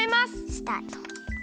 スタート。